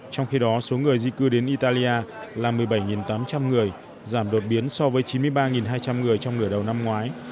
trong khi đó số người di cư đến italia là một mươi bảy tám trăm linh người giảm đột biến so với chín mươi ba hai trăm linh người trong nửa đầu năm ngoái